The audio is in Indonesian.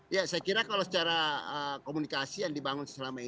ya saya kira kalau secara komunikasi yang dibangun selama ini